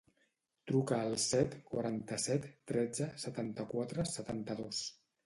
Truca al set, quaranta-set, tretze, setanta-quatre, setanta-dos.